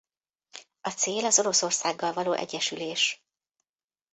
A cél az Oroszországgal való egyesülés.